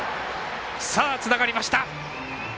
つながりました！